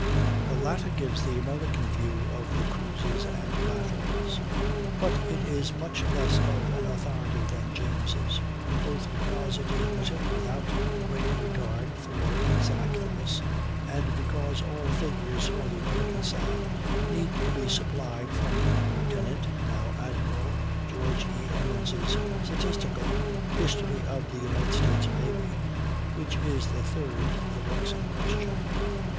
The latter gives the American view of the cruises and battles; but it is much less of an authority than James', both because it is written without great regard for exactness, and because all figures for the American side need to be supplied from Lieutenant (now Admiral) George E. Emmons' statistical "History of the United States Navy," which is the third of the works in question.